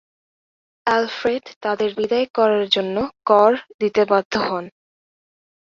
Alfred তাদের বিদায় করার জন্য কর দিতে বাধ্য হন।